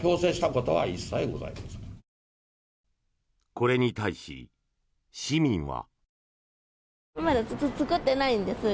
これに対し、市民は。